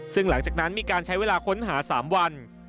ซึ่งหลังจากนั้นมีการใช้เวลาค้นหา๓วัน